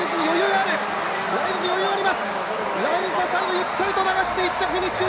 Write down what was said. ライルズは最後ゆっくりと流して１着フィニッシュ。